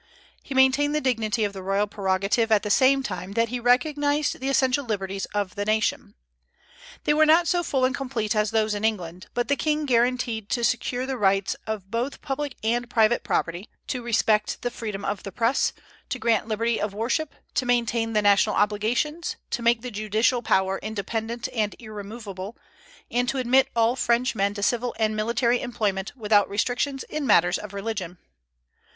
He maintained the dignity of the royal prerogative at the same time that he recognized the essential liberties of the nation. They were not so full and complete as those in England; but the king guaranteed to secure the rights both of public and private property, to respect the freedom of the Press, to grant liberty of worship, to maintain the national obligations, to make the judicial power independent and irremovable, and to admit all Frenchmen to civil and military employment, without restrictions in matters of religion.